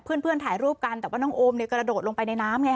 เพื่อนถ่ายรูปกันแต่ว่าน้องโอมเนี่ยกระโดดลงไปในน้ำไง